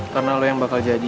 karena lo yang bakal jadi